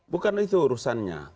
bukan itu urusannya